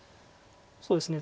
そうですね